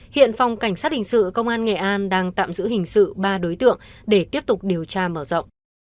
hiện phòng cảnh sát hình sự công an nghệ an đang tạm giữ hình sự ba đối tượng để tiếp tục điều tra mở rộng